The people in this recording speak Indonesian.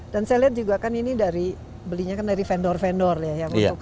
dan saya lihat juga kan ini belinya dari vendor vendor ya